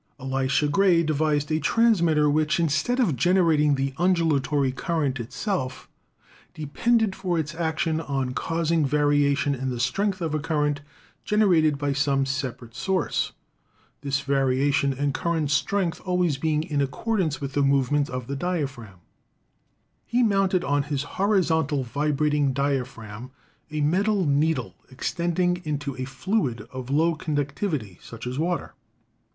Elisha Gray devised a transmitter which, instead of generating the undulatory current itself, depended for its action on causing variation in the strength of a cur rent generated by some separate source; this variation in current strength always being in accordance with the movements of the diaphragm. 563 ELECTRICITY He mounted on his horizontal vibrating diaphragm a metal needle, extending into a fluid of low conductivity, such as water.